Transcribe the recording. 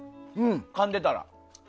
かんでたら。